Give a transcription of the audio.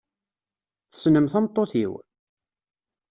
Tessnem tameṭṭut-iw?